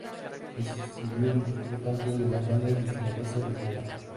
Recibió importantes galardones de Zaragoza y Aragón.